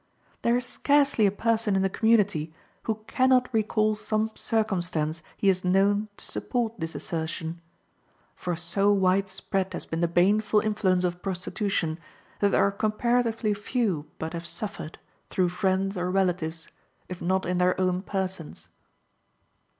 There is scarcely a person in the community who can not recall some circumstance he has known to support this assertion; for so wide spread has been the baneful influence of prostitution, that there are comparatively few but have suffered, through friends or relatives, if not in their own persons.